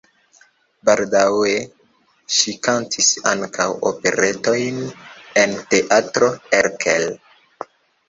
Baldaŭe ŝi kantis ankaŭ operetojn en Teatro Erkel.